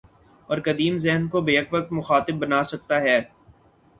اور قدیم ذہن کو بیک وقت مخاطب بنا سکتا ہے۔